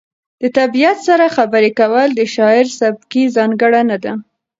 د طبیعت سره خبرې کول د شاعر سبکي ځانګړنه ده.